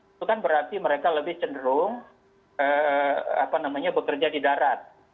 itu kan berarti mereka lebih cenderung bekerja di darat